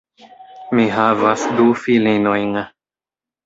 Mi havas du filinojn.